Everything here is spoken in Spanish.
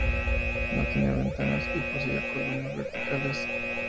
No tenía ventanas y poseía columnas verticales.